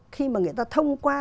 khi mà người ta thông qua